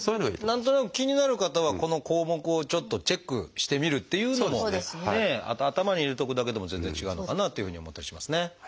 何となく気になる方はこの項目をちょっとチェックしてみるっていうのもね頭に入れておくだけでも全然違うのかなというふうに思ったりしますね。